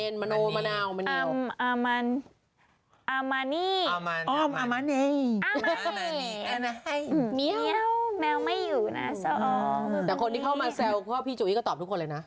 แต่คนที่เข้ามาแซวพี่จุ้ยก็ตอบทุกคนเลยนะ